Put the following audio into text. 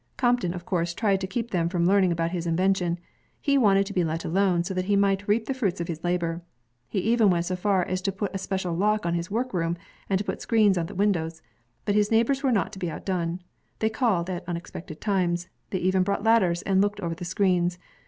Crompton, of course, tried to keep them from learning about his invention. He wanted to be let alone, so that he might reap the fruits pf his labor. He even went so far as to put a special lock on his workroom, and to put screens at the windows. But his neighbors were not to be outdone. They called at unexpected times. They even brought ladders and looked over the screens.